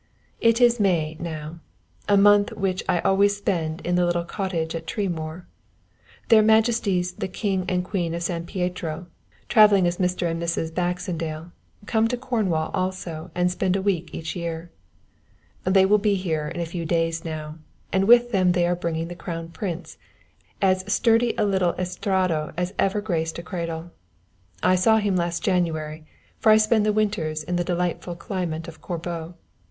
It is May now, a month which I always spend in the little cottage at Tremoor. Their Majesties the King and Queen of San Pietro, travelling as Mr. and Mrs. Baxendale, come to Cornwall also and spend a week each year. They will be here in a few days now, and with them they are bringing the Crown Prince, as sturdy a little Estrato as ever graced a cradle. I saw him last January, for I spend the winters in the delightful climate of Corbo.